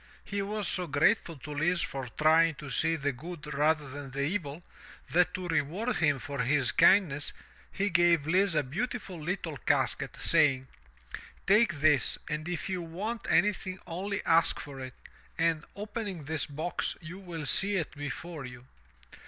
He was so grateful to Lise for trying to see the good rather than the evil, that to reward him for his kindness he gave Lise a beautiful little casket, saying: "Take this and if you want anything only ask for it, and, opening this box, you will see it before you."